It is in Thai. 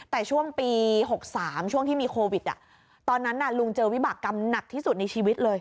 แต่ช่วงปี๖๓ช่วงที่มีโควิดตอนนั้นลุงเจอวิบากรรมหนักที่สุดในชีวิตเลย